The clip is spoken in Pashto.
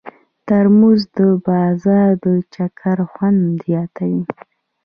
ترموز د بازار د چکر خوند زیاتوي.